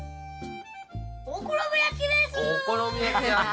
お好み焼きです。